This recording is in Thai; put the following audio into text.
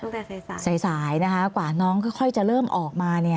ตั้งแต่สายนะคะกว่าน้องค่อยจะเริ่มออกมาเนี่ย